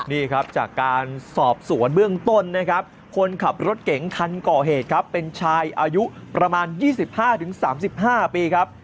นี่ครับจากการสอบสวนเบื้องต้นนะครับคนขับรถเก๋งคันก่อเหตุครับเป็นชายอายุประมาณ๒๕๓๕ปีครับ